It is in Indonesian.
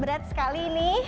berat sekali ini